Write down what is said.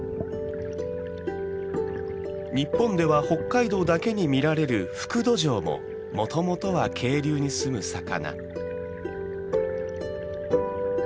日本では北海道だけに見られるフクドジョウももともとは渓流にすむ魚。